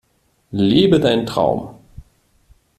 Lebe deinen Traum!